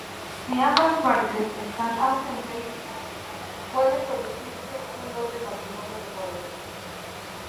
Si ambas partes están ausentes puede producirse un doble matrimonio por poderes.